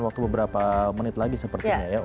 waktu beberapa menit lagi sepertinya ya